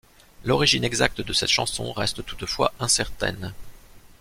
L'origine exacte de cette chanson reste toutefois incertaine.